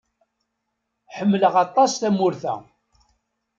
Ḥemmleɣ aṭas tamurt-a.